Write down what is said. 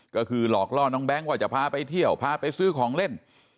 ก็คือหลอกล่อน้องแบงค์ว่าจะพาไปเที่ยวพาไปซื้อของเล่น